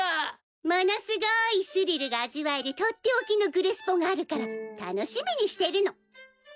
ものすごいスリルが味わえるとっておきのグレスポがあるから楽しみにしてるの。